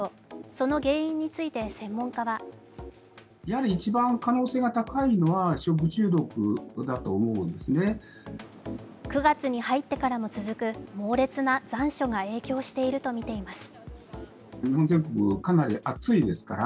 その原因について専門家は９月に入ってからも続く猛烈な残暑が影響しているとみています。